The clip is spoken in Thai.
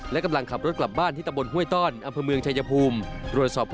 และกำลังขับรถกลับบ้านที่ตะบนห้วยต้อนอำเภอเมืองชายภูมิ